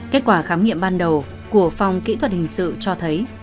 kết quả khám nghiệm ban đầu của phòng kỹ thuật hình sự cho thấy